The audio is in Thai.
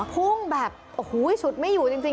พุ่งแบบโอ้โหสุดไม่อยู่จริง